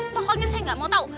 pokoknya saya nggak mau tahu